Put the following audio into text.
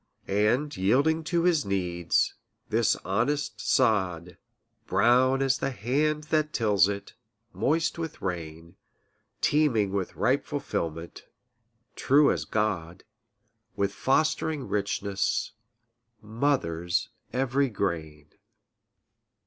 And yielding to his needs, this honest sod, Brown as the hand that tills it, moist with rain, Teeming with ripe fulfilment, true as God, With fostering richness, mothers every grain.